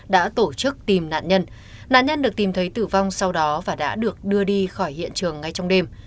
đã tổ chức tìm nạn nhân nạn nhân được tìm thấy tử vong sau đó và đã được đưa đi khỏi hiện trường ngay trong đêm